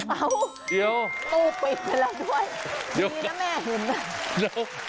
เอาตู้ปิดไปแล้วด้วยดีนะแม่เห็น